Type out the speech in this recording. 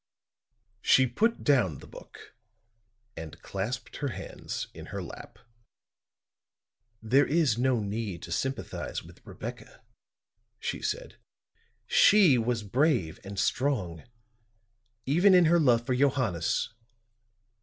She put down the book and clasped her hands in her lap. "There is no need to sympathize with Rebecca," she said. "She was brave and strong, even in her love for Johannes.